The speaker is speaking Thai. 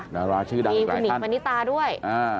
นางราชชื่อด่ายกว่าอีกหลายท่านนี่คุณหินมะนิตาด้วย